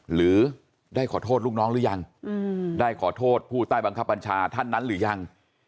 หรือได้ขอโทษลูกน้องหรือยังได้ขอโทษผู้ใต้บังคับบัญชาท่านนั้นหรือยัง